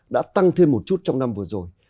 đã tăng thêm một chút trong năm vừa rồi